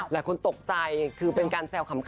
หลายคนตกใจคือเป็นการแซวขำ